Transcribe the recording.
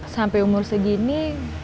sampai umur segini